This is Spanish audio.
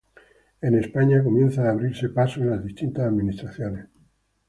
En España comienza abrirse paso en las distintas administraciones.